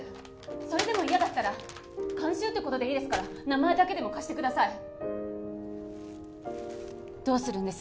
それでも嫌だったら監修ってことでいいですから名前だけでも貸してくださいどうするんです？